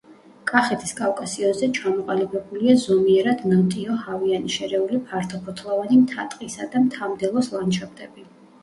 კახეთის კავკასიონზე ჩამოყალიბებულია ზომიერად ნოტიო ჰავიანი შერეული ფართოფოთლოვანი მთა-ტყისა და მთა-მდელოს ლანდშაფტები.